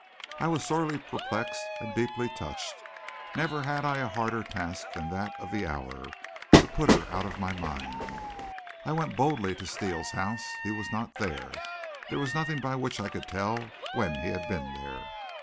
I was sorely perplexed and deeply touched. Never had I a harder task than that of the hour to put her out of my mind. I went boldly to Steele's house. He was not there. There was nothing by which I could tell when he had been there.